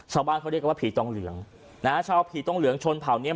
ชาวบ้านเขาเรียกกันว่าผีตองเหลืองนะฮะชาวผีตองเหลืองชนเผาเนี้ย